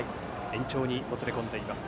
延長にもつれ込んでいます。